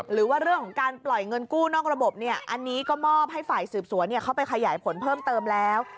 หรือว่าเรื่องของการปล่อยเงินกู้นอกระบบอันนี้ก็มอบให้ฝ่ายสืบสวนเข้าไปขยายผลเพิ่มเติมแล้ว